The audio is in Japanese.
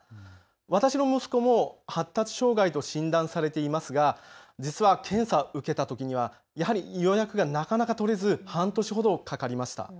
私の息子も発達障害と診断されていますが実は検査、受けたときにはやはり予約がなかなか取れず半年ほどかかりました。